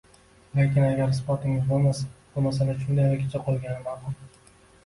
Lekin agar isbotingiz bo`lmasa, bu masala shundayligicha qolgani ma`qul